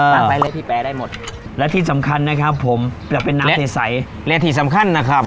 ไปเลยพี่แปรได้หมดและที่สำคัญนะครับผมจะเป็นน้ำใสและที่สำคัญนะครับ